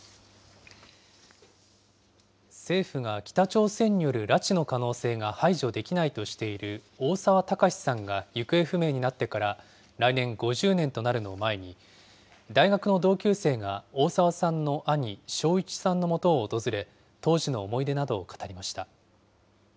政府が北朝鮮による拉致の可能性が排除できないとしている大澤孝司さんが行方不明になってから、来年、５０年となるのを前に、大学の同級生が大澤さんの兄、昭一さんのもとを訪れ、当時の思い出などを語りました。